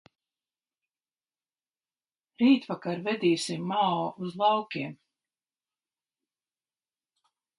Rītvakar vedīsim Mao uz laukiem.